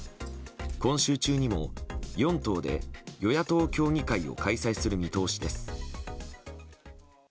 今週中にも４党で与野党協議会を開催する見通しです。